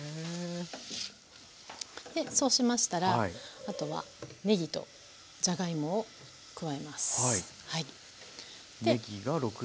そうしましたらあとはねぎとじゃがいもを加えます。